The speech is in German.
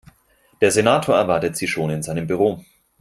Der Senator erwartet Sie schon in seinem Büro.